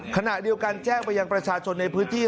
ขณะเดียวกันแจ้งไปยังประชาชนในพื้นที่